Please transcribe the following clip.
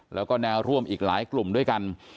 แล้วก็แนวร่วมอีกหลายกลุ่มด้วยกัน